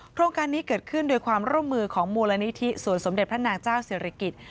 โครงการนี้เกิดขึ้นโดยความร่วมมือของมูลนิธิสวนสมเด็จพระนางเจ้าศิริกิจ